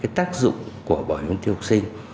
cái tác dụng của bảo hiểm y tế học sinh